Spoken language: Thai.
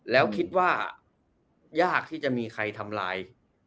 แล้วคิดว่ายากที่จะมีใครทำลาย